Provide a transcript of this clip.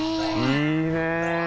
いいね。